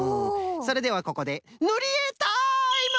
それではここでぬりえタイム！